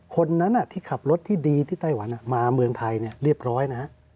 คนนั้นที่ขับรถที่ดีที่ไต้หวันมาเมืองไทยเรียบร้อยนะฮะ